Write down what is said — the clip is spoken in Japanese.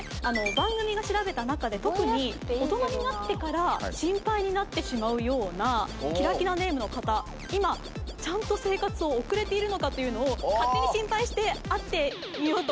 番組が調べた中で特に大人になってからシンパイになってしまうようなキラキラネームの方今ちゃんと生活を送れているのかというのを勝手にシンパイして会ってみようと思うんですが。